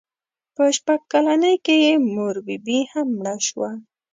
په شپږ کلنۍ کې یې مور بي بي هم مړه شوه.